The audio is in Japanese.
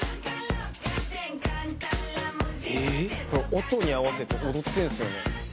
これ音に合わせて踊ってんすよね。